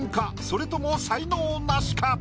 それとも才能ナシか？